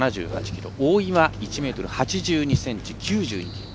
大岩、１ｍ８２ｃｍ、９２ｋｇ。